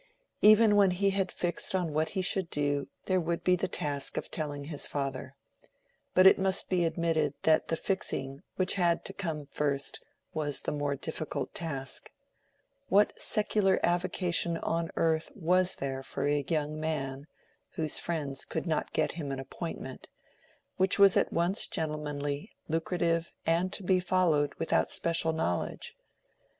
Even when he had fixed on what he should do, there would be the task of telling his father. But it must be admitted that the fixing, which had to come first, was the more difficult task:—what secular avocation on earth was there for a young man (whose friends could not get him an "appointment") which was at once gentlemanly, lucrative, and to be followed without special knowledge?